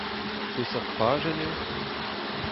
Peseurt pajenn eo ?